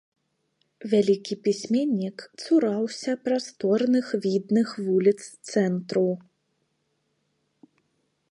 Вялікі пісьменнік цураўся прасторных відных вуліц цэнтру.